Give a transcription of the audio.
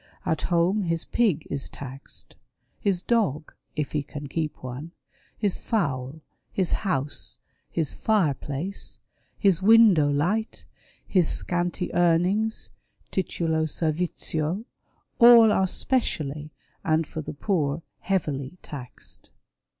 At home his pig is taxed, his dog, if he can keep one, his fowl, his house, his fire place, his window light, his scanty earnings, titulo servizio, all are specially, and for the poor, heavily taxed.